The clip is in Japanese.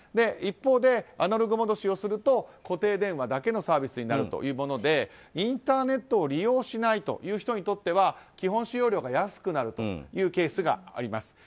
一方でアナログ戻しをすると固定電話だけのサービスになるというものでインターネットを利用しないという人にとっては基本使用料が安くなるというケースがあります。